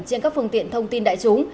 trên các phương tiện thông tin đại chúng